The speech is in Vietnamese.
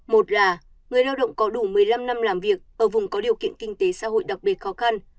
một là người lao động có đủ một mươi năm năm làm việc ở vùng có điều kiện kinh tế xã hội đặc biệt khó khăn